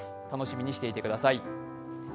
楽しみにしていてください。